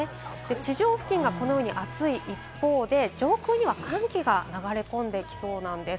地上付近がこのように暑い一方で、上空には寒気が流れ込んで来そうなんです。